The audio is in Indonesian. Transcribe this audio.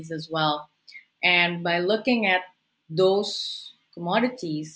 dan dengan melihat komoditas komoditas itu